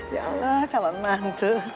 ya allah calon mantu